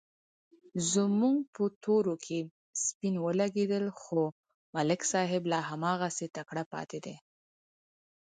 زموږ په تورو کې سپین ولږېدل، خو ملک صاحب لا هماغسې تکړه پاتې دی.